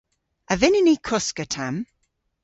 A vynnyn ni koska tamm?